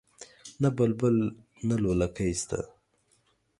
نه بلبل نه لولکۍ شته